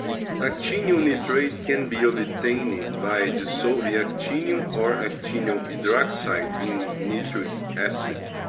Actinium nitrate can be obtained by dissolving actinium or actinium hydroxide in nitric acid.